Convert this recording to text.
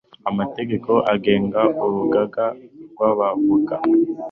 amategeko agenga urugaga rw 'aba voka